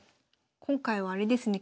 今回はあれですね。